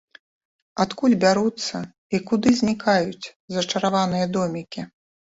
Адкуль бяруцца і куды знікаюць зачараваныя домікі?